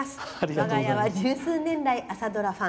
我が家は十数年来、朝ドラファン。